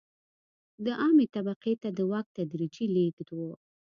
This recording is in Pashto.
د عامې طبقې ته د واک تدریجي لېږد و.